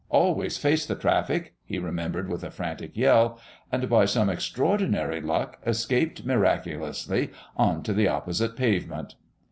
"Always face the traffic!" he remembered with a frantic yell and, by some extraordinary luck, escaped miraculously on to the opposite pavement....